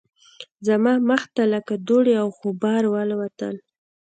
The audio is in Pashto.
زما مخ ته لکه دوړې او غبار والوتل